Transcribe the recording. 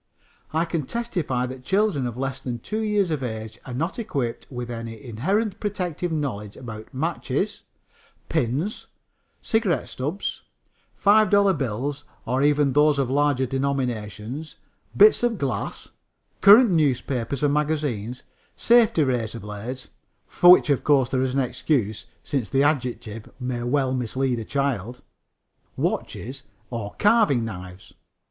I can testify that children of less than two years of age are not equipped with any inherited protective knowledge about matches, pins, cigarette stubs, $5 bills, or even those of larger denominations; bits of glass, current newspapers or magazines, safety razor blades (for which, of course, there is an excuse, since the adjective may well mislead a child), watches or carving knives.